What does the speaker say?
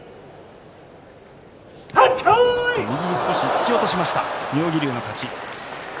突き落としました妙義龍の勝ち。